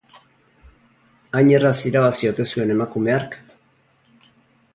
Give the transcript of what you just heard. Hain erraz irabazi ote zuen emakume hark?